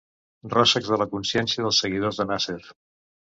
Rosecs de la consciència dels seguidors de Nàsser.